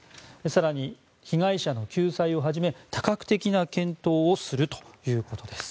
更に、被害者の救済をはじめ多角的な検討をするということです。